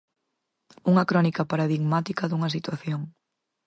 Unha crónica paradigmática dunha situación.